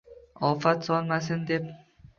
Ofat solmasin deb